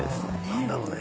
何だろね。